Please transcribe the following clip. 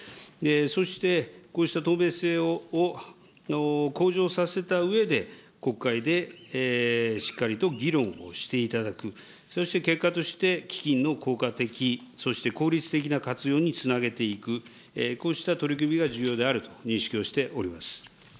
そしてこうした透明性を向上させたうえで、国会でしっかりと議論をしていただく、そして結果として、基金の効果的そして効率的な活用につなげていく、こうした取り組みが重要であると認識をしております。